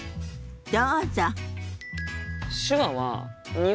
どうぞ。